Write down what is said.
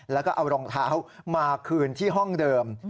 แล้วก็เอารองเท้ามาคืนที่ห้องเดิม